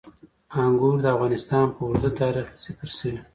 انګور د افغانستان په اوږده تاریخ کې ذکر شوي.